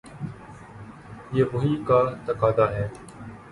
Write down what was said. یہ وحی کا تقاضا ہے۔